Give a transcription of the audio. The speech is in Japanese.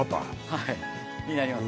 はいになります